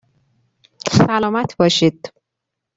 سلامت باشید